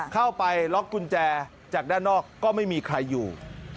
เข้าไปล็อกกุญแจจากด้านนอกก็ไม่มีใครอยู่